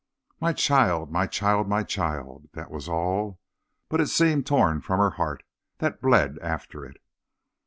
"My child! my child! my child!" That was all, but it seemed torn from her heart, that bled after it.